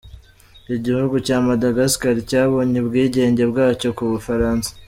Igihugu cya Madagascar cyabonye ubwigenge bwacyo ku Bufaransa.